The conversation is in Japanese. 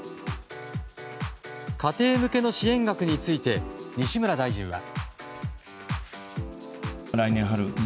家庭向けの支援額について西村大臣は。